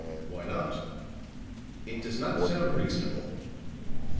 "Why not?" "It does not sound reasonable."